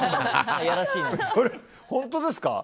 それ、本当ですか？